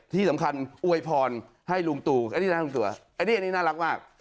ที่สำคัญอวยพรให้ลุงตู่อันนี้น่ารักมาก